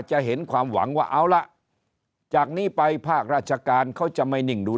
จะเห็นความหวังว่าเอาล่ะจากนี้ไปภาคราชการเขาจะไม่นิ่งดู